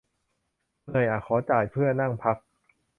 เหนื่อยอะ ขอจ่ายเพื่อนั่งพัก